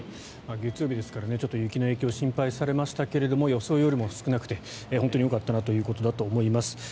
月曜日ですから雪の影響が心配されましたけれども予想よりも少なくて本当によかったなということだと思います。